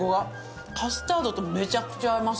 カスタードとめちゃくちゃ合います。